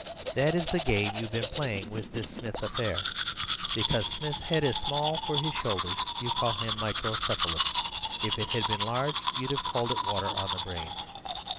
That is the game you've been playing with this Smith affair. Because Smith's head is small for his shoulders you call him microcephalous; if it had been large, you'd have called it water on the brain.